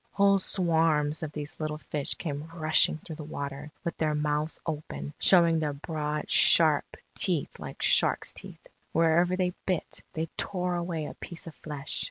Whole swarms of these little fish came rushing through the water, with their mouths open, showing their broad, sharp teeth like sharks' teeth. Wherever they bit, they tore away a piece of flesh.